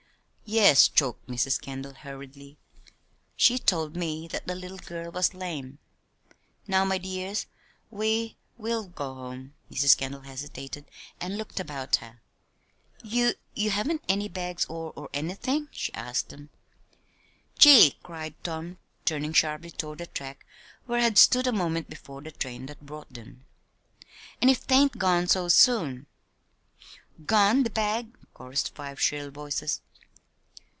"Yes," choked Mrs. Kendall, hurriedly. "She told me that the little girl was lame. Now, my dears, we we'll go home." Mrs. Kendall hesitated and looked about her. "You you haven't any bags or or anything?" she asked them. "Gee!" cried Tom, turning sharply toward the track where had stood a moment before the train that brought them. "An' if 'tain't gone so soon!" "Gone the bag?" chorused five shrill voices.